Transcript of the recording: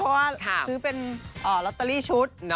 เพราะว่าซื้อเป็นลอตเตอรี่ชุด